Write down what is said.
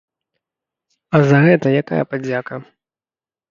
А за гэта якая падзяка?